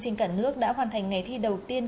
trên cả nước đã hoàn thành ngày thi đầu tiên